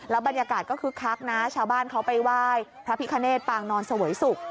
บรรยากาศก็คึกคักนะชาวบ้านเขาไปไหว้พระพิคเนตปางนอนเสวยสุข